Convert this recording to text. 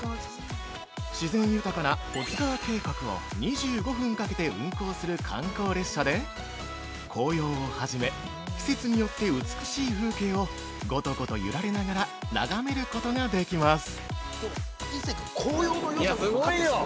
自然豊かな保津川渓谷を２５分かけて運行する観光列車で紅葉を初め、季節によって美しい風景をゴトゴト揺られながら眺めることができます。